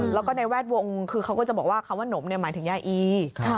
แล้วก็ในแวดวงคือเขาก็จะบอกว่าคำว่านมหมายถึงยาอี